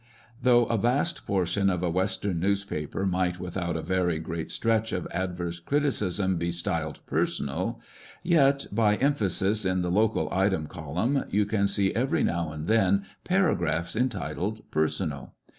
Though a vast portion of a western news paper might, without a very great stretch of adverse criticism, be styled personal, yet, by emphasis, in the " local item'^column, you can see every now and then paragraphs entitled "Personal."